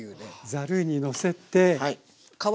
ざるにのせて。